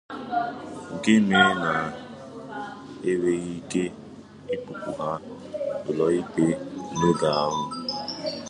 nke mere na e nweghị ike ịkpụpụ ha ụlọikpe n'oge ahụ.